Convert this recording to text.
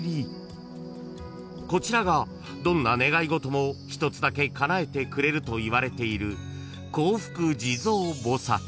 ［こちらがどんな願い事も一つだけかなえてくれるといわれている］